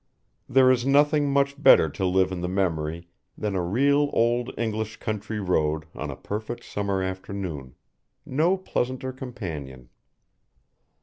There is nothing much better to live in the memory than a real old English country road on a perfect summer afternoon, no pleasanter companion.